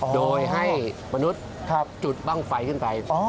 โดยให้มนุษย์จุดบ้างไฟขึ้นไป